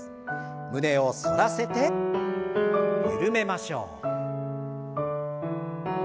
胸を反らせて緩めましょう。